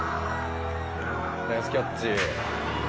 ナイスキャッチ。